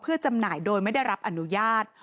เพื่อจำหน่ายโดยไม่ได้รับอนุญาต